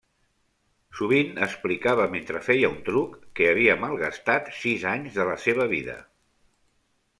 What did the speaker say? Sovint explicava mentre feia un truc, que havia malgastat sis anys de la seva vida.